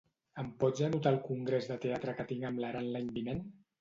Em pots anotar el congrés de teatre que tinc amb l'Aran l'any vinent?